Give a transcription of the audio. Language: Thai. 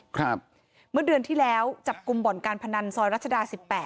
เมื่อเดือนที่แล้วจับกลุ่มบ่อนการพนันซอยรัชดาสิบแปด